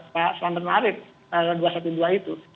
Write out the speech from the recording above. pak selamat marid dua ratus dua belas itu